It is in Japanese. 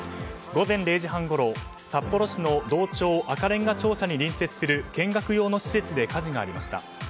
午前０時半ごろ札幌市の道庁赤れんが庁舎に隣接する見学用の施設で火事がありました。